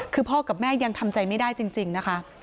คือพ่อกับแม่ยังทำใจไม่ได้จริงนะคะ